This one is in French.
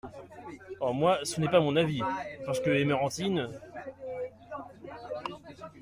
Moi, ce n’est pas mon avis… parce que Emerantine…